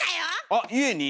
あっ家に？